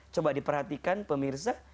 coba diperhatikan pemirsa